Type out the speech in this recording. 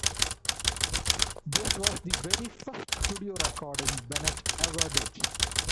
This was the very first studio recording Bennett ever did.